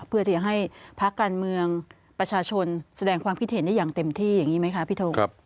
เพื่อที่จะให้พักการเมืองประชาชนแสดงความคิดเห็นได้อย่างเต็มที่อย่างนี้ไหมคะพี่ทง